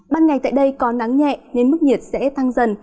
ban ngày tại đây có nắng nhẹ nên mức nhiệt sẽ tăng dần